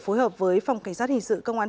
phối hợp với phòng cảnh sát hình sự công an